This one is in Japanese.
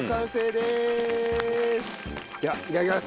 ではいただきます。